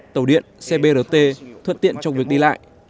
tàu điện xe brt thuận tiện trong việc đi lại